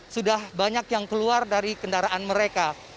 sudah banyak yang keluar dari kendaraan mereka